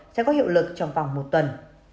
sẽ có hiệu lực trong vòng một tuần